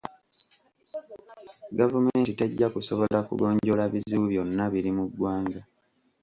Gavumenti tejja kusobola kugonjoola bizibu byonna biri mu ggwanga.